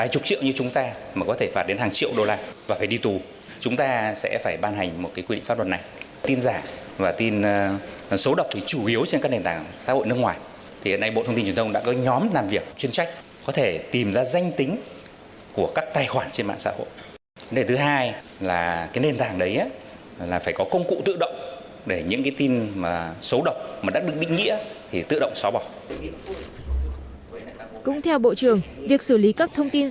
cũng theo bộ trưởng việc xử lý các thông tin giả